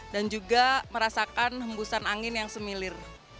dan juga merasakan hembusan angin yang semilir